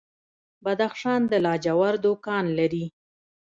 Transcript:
بدخشان د لاجوردو کان لري